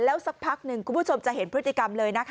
แล้วสักพักหนึ่งคุณผู้ชมจะเห็นพฤติกรรมเลยนะคะ